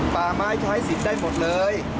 ป่าไม้ใช้สิทธิ์ได้หมดเลย